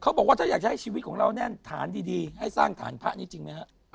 บอกว่าถ้าอยากจะให้ชีวิตของเราแน่นฐานดีให้สร้างฐานพระนี้จริงไหมฮะ